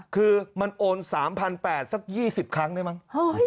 คือมันโอน๓๘๐๐สัก๒๐ครั้งได้มั้ง